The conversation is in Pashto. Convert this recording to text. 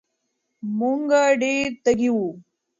مونږ ډېر تږي وو